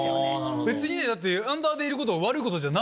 別にアンダーでいることが悪いことじゃない。